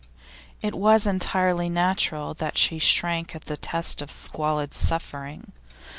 It was entirely natural that she shrank at the test of squalid suffering.